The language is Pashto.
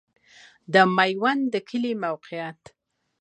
د میوند کلی موقعیت